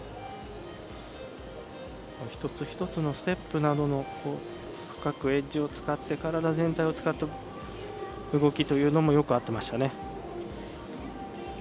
一つ一つのステップなどの深くエッジを使って体全体を使った動きというのもよく合ってましたね。